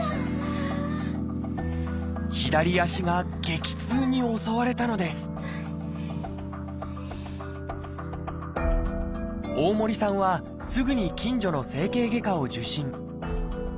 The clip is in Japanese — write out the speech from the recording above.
左足が激痛に襲われたのです大森さんはすぐに近所の整形外科を受診。